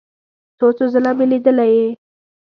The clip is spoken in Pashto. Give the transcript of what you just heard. څو څو ځله مې لیدلی یې.